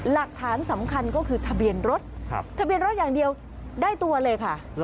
หลักฐานสำคัญก็คือทะเบียนรถทะเบียนรถอย่างเดียวได้ตัวเลยค่ะ